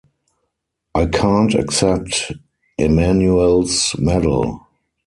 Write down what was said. I can't accept Emanuel's medal.